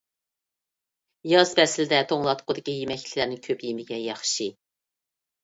ياز پەسلىدە توڭلاتقۇدىكى يېمەكلىكلەرنى كۆپ يېمىگەن ياخشى.